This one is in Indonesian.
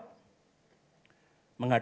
menghadapi keamanan nasional